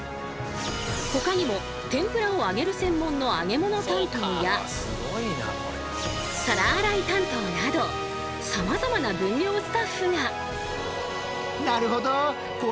ほかにも天ぷらを揚げる専門の揚げ物担当や皿洗い担当などさまざまな分業スタッフが。